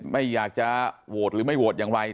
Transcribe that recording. ไม่อยากจะโหวตหรือไม่โหวตอย่างไร